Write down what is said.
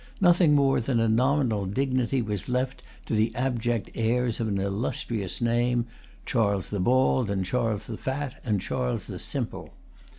Nothing more than a nominal dignity was left to the abject heirs of an illustrious name, Charles the Bald, and Charles the Fat, and Charles the Simple.